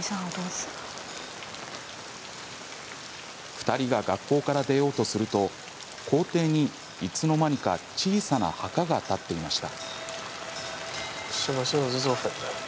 ２人が学校から出ようとすると校庭に、いつの間にか小さな墓が建っていました。